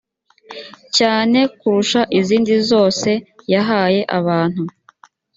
cyane kurusha izindi zose yahaye abantu